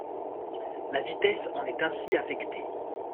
La vitesse en est ainsi affectée.